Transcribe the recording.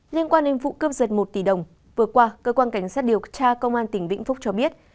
liên quan đến vụ cướp giật một tỷ đồng vừa qua cơ quan cảnh sát điều tra công an tỉnh vĩnh phúc cho biết